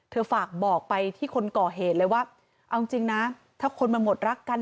ฝากบอกไปที่คนก่อเหตุเลยว่าเอาจริงนะถ้าคนมาหมดรักกัน